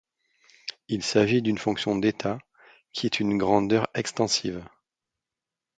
Il s'agit d'une fonction d'état qui est une grandeur extensive.